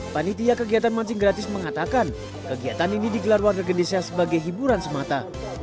panitia kegiatan mancing gratis mengatakan kegiatan ini digelar warga gede sebagai hiburan semata